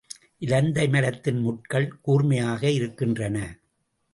இலந்தை மரத்தின் முட்கள் கூர்மையாக இருக்கின்றன.